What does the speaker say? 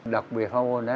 đặc biệt phóc môn này